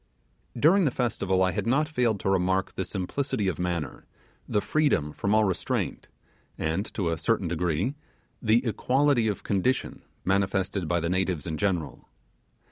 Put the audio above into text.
During the festival I had not failed to remark the simplicity of manner, the freedom from all restraint, and, to certain degree, the equality of condition manifested by the natives in general.